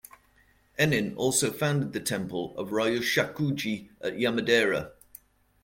Ennin also founded the temple of Ryushakuji at Yamadera.